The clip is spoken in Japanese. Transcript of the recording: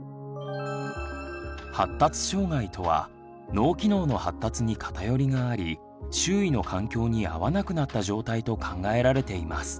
発達障害とは脳機能の発達に偏りがあり周囲の環境に合わなくなった状態と考えられています。